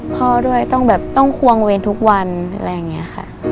พ่อด้วยต้องแบบต้องควงเวรทุกวันอะไรอย่างนี้ค่ะ